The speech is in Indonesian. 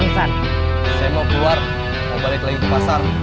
disuruh kang muslihat saya mau keluar mau balik lagi ke pasar